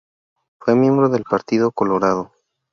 Fue miembro del Partido Colorado.